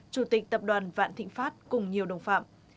chủ tịch tập đoàn vạn thịnh pháp cùng nhiều đồng phạm